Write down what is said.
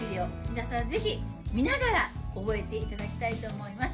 皆さんぜひ見ながら覚えていただきたいと思います